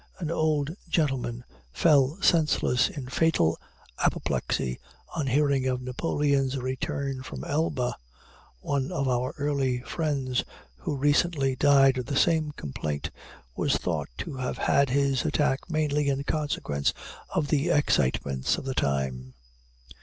An old gentleman fell senseless in fatal apoplexy, on hearing of Napoleon's return from Elba. One of our early friends, who recently died of the same complaint, was thought to have had his attack mainly in consequence of the excitements of the time.